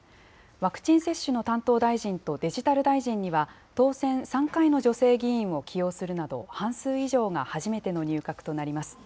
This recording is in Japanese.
ワクチン接種の担当大臣とデジタル大臣には、当選３回の女性議員を起用するなど、半数以上が初めての入閣となります。